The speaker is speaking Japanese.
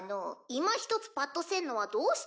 いまひとつぱっとせんのはどうしてじゃろ？